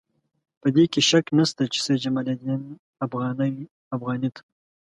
په دې کې شک نشته چې سید جمال الدین افغاني ته.